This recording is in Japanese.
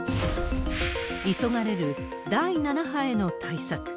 急がれる第７波への対策。